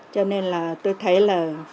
cho nên là tôi thấy là